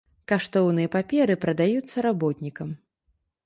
Каштоўныя паперы прадаюцца работнікам.